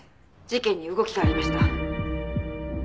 「事件に動きがありました」